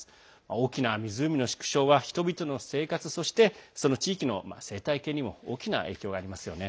大きな湖の縮小は人々の生活、そしてその地域の生態系にも大きな影響がありますよね。